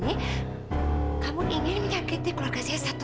dia akan menantu kita